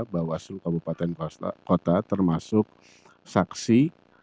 bawaslu kabupaten kota termasuk saksi